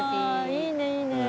いいねいいね。